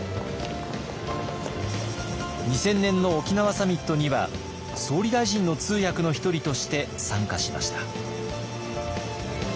２０００年の沖縄サミットには総理大臣の通訳の一人として参加しました。